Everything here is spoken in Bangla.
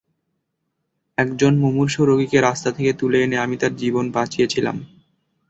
একজন মুমূর্ষু রোগীকে রাস্তা থেকে তুলে এনে আমি তার জীবন বাঁচিয়েছিলাম।